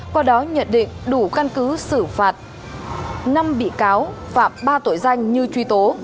qua đó nhận định đủ căn cứ xử phạt năm bị cáo phạm ba tội danh như truy tố